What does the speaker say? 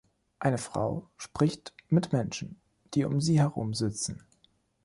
Eine Frau spricht mit Menschen, die um sie herum sitzen.